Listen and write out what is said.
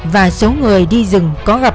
và số người đi rừng có gặp